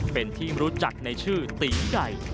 เป็นที่รู้จักในชื่อตีไก่